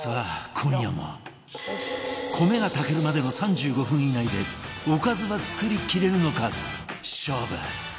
今夜も米が炊けるまでの３５分以内でおかずが作りきれるのか勝負